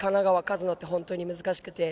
つのって本当に難しくて。